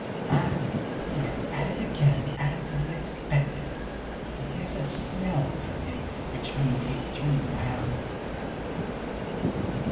"Ah, he is at it again, as I expected! For there's a smell from him which means he is turning round!"